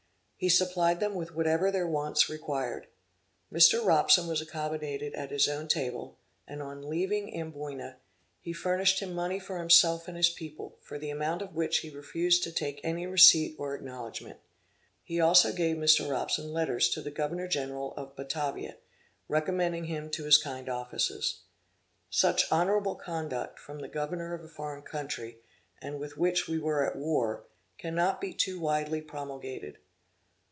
He supplied them with whatever their wants required. Mr. Robson was accommodated at his own table, and, on leaving Amboyna, he furnished him money for himself and his people, for the amount of which he refused to take any receipt or acknowledgment. He also gave Mr. Robson letters to the governor general of Batavia, recommending him to his kind offices. Such honorable conduct from the governor of a foreign country, and with which we were at war, cannot be too widely promulgated.